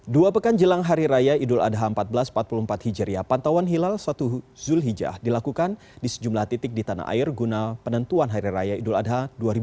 dua pekan jelang hari raya idul adha seribu empat ratus empat puluh empat hijriah pantauan hilal satu zulhijjah dilakukan di sejumlah titik di tanah air guna penentuan hari raya idul adha dua ribu dua puluh